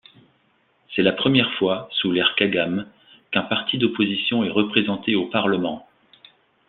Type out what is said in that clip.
C'est la première fois, sous l'ère Kagame, qu'un parti d'opposition est représenté au Parlement.